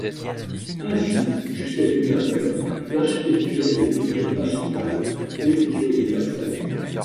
Ainsi, jusqu'à Gutenberg, l'architecture est l'écriture principale, l'écriture universelle.